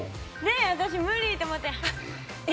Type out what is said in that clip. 私、無理と思って。